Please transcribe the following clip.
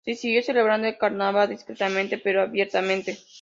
Se siguió celebrando el carnaval, discretamente, pero abiertamente.